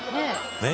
ねえ。